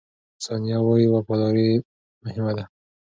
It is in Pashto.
ثانیه وايي، وفاداري مهمه ده.